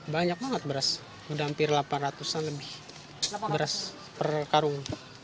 banyak banget beras udah hampir delapan ratus an lebih beras per karung